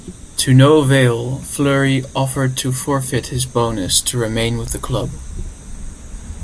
To no avail, Fleury offered to forfeit his bonus to remain with the club.